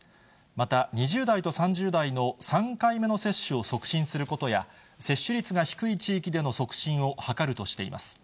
また、２０代と３０代の３回目の接種を促進することや、接種率が低い地域での促進を図るとしています。